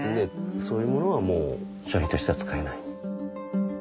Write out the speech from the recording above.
そういうものは商品としては使えない。